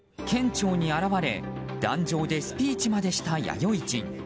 県庁に現れ壇上でスピーチまでした弥生人。